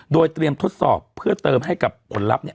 โดยเตรียมทดสอบเพื่อเติมให้กับผลลัพธ์เนี่ย